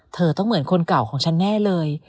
เธอต้องเหมือนคนเก่าของฉันแน่เลย